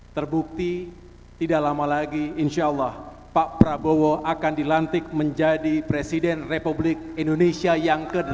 terbukti tidak lama lagi insya allah pak prabowo akan dilantik menjadi presiden republik indonesia yang ke delapan puluh